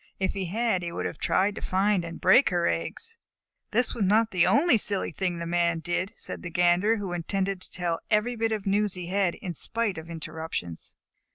If he had, he would have tried to find and break her eggs. "That was not the only silly thing the Man did," said the Gander, who intended to tell every bit of news he had, in spite of interruptions.